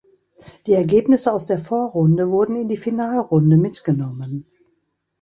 Die Ergebnisse aus der Vorrunde wurden in die Finalrunde mitgenommen.